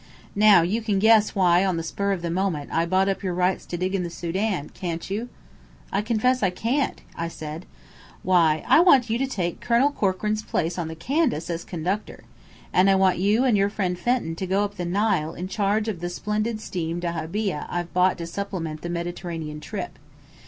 Now, you can guess why on the spur of the moment I bought up your rights to dig in the Sudan, can't you?" "I confess I can't," I said. "Why, I want you to take Colonel Corkran's place on the Candace as conductor. And I want you and your friend Fenton to go up Nile in charge of the splendid steam dahabeah I've bought to supplement the Mediterranean trip.